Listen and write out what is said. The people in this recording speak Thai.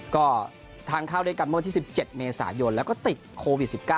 ก็ทานข้าวด้วยกันเมื่อวันที่๑๗เมษายนแล้วก็ติดโควิด๑๙